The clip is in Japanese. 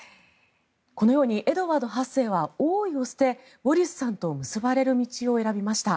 このようにエドワード８世は王位を捨てウォリスさんと結ばれる道を選びました。